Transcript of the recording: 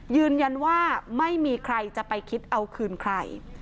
ยืนยันว่าไม่มีใครจะไปคิดเอาคืนใคร